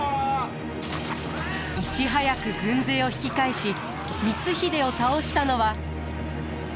いち早く軍勢を引き返し光秀を倒したのは。